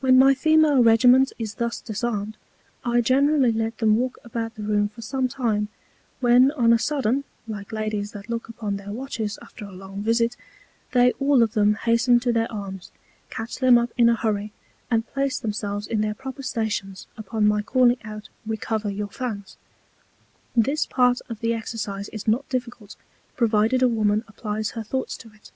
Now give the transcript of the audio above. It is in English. When my Female Regiment is thus disarmed, I generally let them walk about the Room for some Time; when on a sudden (like Ladies that look upon their Watches after a long Visit) they all of them hasten to their Arms, catch them up in a Hurry, and place themselves in their proper Stations upon my calling out Recover your Fans. This Part of the Exercise is not difficult, provided a Woman applies her Thoughts to it.